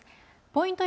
ポイント